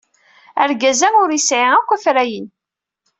Argaz-a ur yesɛi akk afrayen.